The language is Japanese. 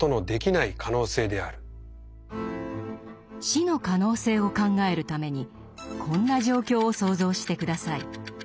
「死の可能性」を考えるためにこんな状況を想像して下さい。